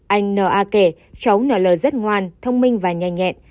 anh n a kể cháu n l rất ngoan thông minh và nhanh nhẹn